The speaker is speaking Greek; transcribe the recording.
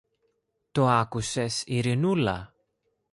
Το άκουσες, Ειρηνούλα;